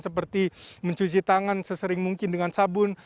seperti mencuci tangan sesering mungkin dengan sabun